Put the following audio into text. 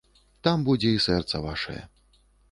Там будзе і сэрца вашае.